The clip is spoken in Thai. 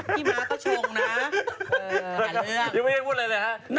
พี่ม้าตะโชงนะ